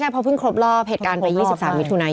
พอเพิ่งครบรอบเหตุการณ์ไป๒๓มิถุนาย